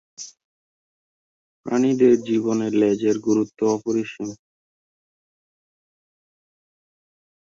প্রাণীদের জীবনে লেজের গুরুত্ব অপরিসীম।